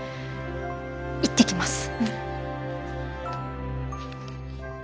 行ってきます。